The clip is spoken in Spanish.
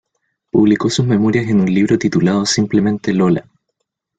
Publicó sus memorias en un libro titulado "Simplemente Lola".